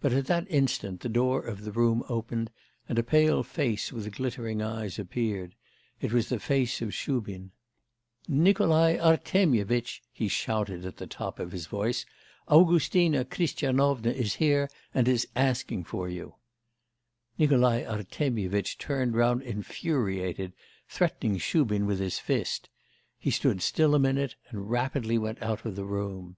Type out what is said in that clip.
But at that instant the door of the room opened, and a pale face with glittering eyes appeared: it was the face of Shubin. 'Nikolai Artemyevitch!' he shouted at the top of his voice, 'Augustina Christianovna is here and is asking for you!' Nikolai Artemyevitch turned round infuriated, threatening Shubin with his fist; he stood still a minute and rapidly went out of the room.